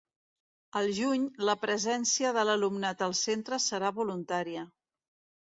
Al juny, la presència de l’alumnat als centres serà voluntària.